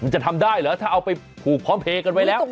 จะทำได้เหรอถ้าเอาไปผูกพร้อมเพลกันไว้แล้ว